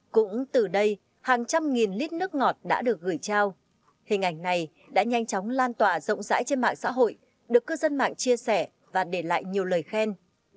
cũng từ đây hàng trăm nghìn lít nước ngọt đã được gửi trao hình ảnh này đã nhanh chóng lan tỏa rộng rãi trên mạng xã hội được cư dân mạng chia sẻ và để lại nhiều lời khen